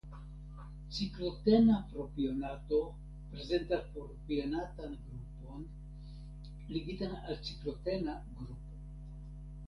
Ciklotena propionato prezentas propionatan grupon ligitan al ciklotena grupo.